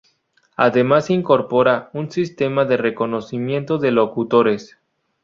Además incorpora un sistema de reconocimiento de locutores.